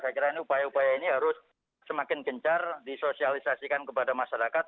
saya kira ini upaya upaya ini harus semakin gencar disosialisasikan kepada masyarakat